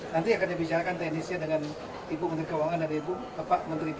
nanti akan dibicarakan teknisnya dengan ibu menteri keuangan dan ibu bapak menteri bumn